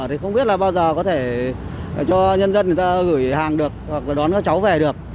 thì không biết là bao giờ có thể cho nhân dân người ta gửi hàng được hoặc đón các cháu về được